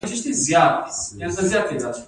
بلوڅان په نیمروز کې اوسیږي؟